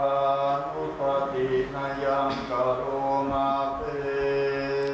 พระอาวุธีพระอาวุธีฐานมีตรายประวัติไปมาทำอันนี้